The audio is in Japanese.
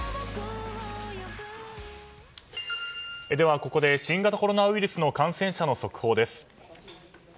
ここで新型コロナウイルスの感染者の速報です。